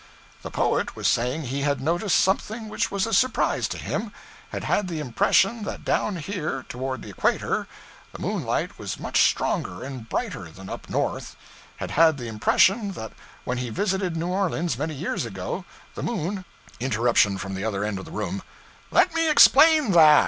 The poet was saying he had noticed something which was a surprise to him; had had the impression that down here, toward the equator, the moonlight was much stronger and brighter than up North; had had the impression that when he visited New Orleans, many years ago, the moon Interruption from the other end of the room 'Let me explain that.